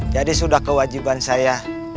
jadi sudah kewajiban saya